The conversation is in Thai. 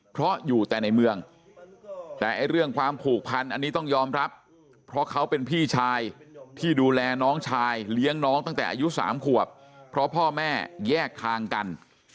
เพราะเขาเป็นพี่ชายที่ดูแลน้องชายเลี้ยงน้องตั้งแต่อายุ๓ขวบเพราะพ่อแม่แยกทางกัน